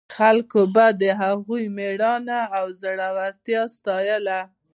خلکو به د هغوی مېړانه او زړورتیا ستایله.